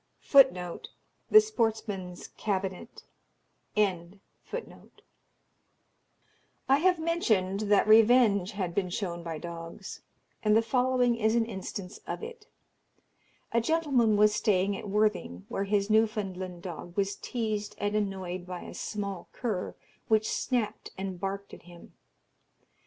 [J] I have mentioned that revenge had been shown by dogs, and the following is an instance of it. A gentleman was staying at Worthing, where his Newfoundland dog was teased and annoyed by a small cur, which snapped and barked at him.